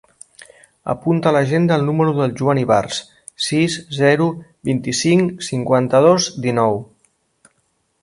Apunta a l'agenda el número del Joan Ibars: sis, zero, vint-i-cinc, cinquanta-dos, dinou.